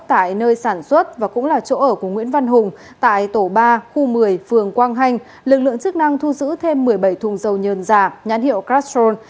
tại nơi sản xuất và cũng là chỗ ở của nguyễn văn hùng tại tổ ba khu một mươi phường quang hanh lực lượng chức năng thu giữ thêm một mươi bảy thùng dầu nhờn giả nhãn hiệu castrol